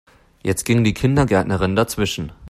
Jetzt ging die Kindergärtnerin dazwischen.